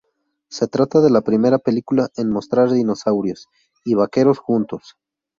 Se trata de la primera película en mostrar dinosaurios y vaqueros juntos.